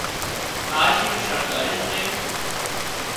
آرشيون شڻڳاري سي